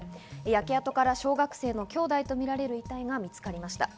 焼け跡から小学生の兄弟とみられる遺体が見つかりました。